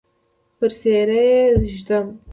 پر څیره یې ږدم